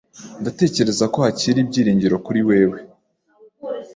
Ndatekereza ko hakiri ibyiringiro kuri wewe.